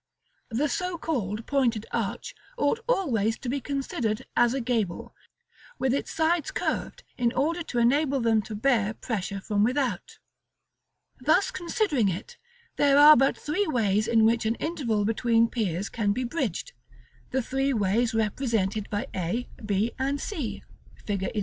The so called pointed arch ought always to be considered as a gable, with its sides curved in order to enable them to bear pressure from without. Thus considering it, there are but three ways in which an interval between piers can be bridged, the three ways represented by A, B, and C, Fig. XI.